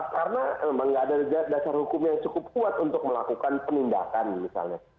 karena memang tidak ada dasar hukum yang cukup kuat untuk melakukan penindakan misalnya